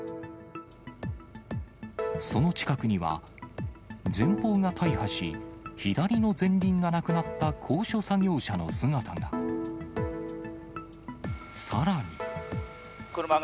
その近くには前方が大破し、左の前輪がなくなった高所作業車の姿が。